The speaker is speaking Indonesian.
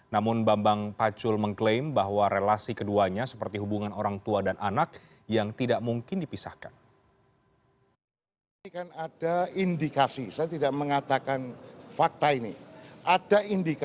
namun bambang pacul mengklaim bahwa relasi keduanya seperti hubungan orang tua dan anak yang tidak mungkin dipisahkan